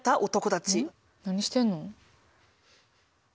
何してんの？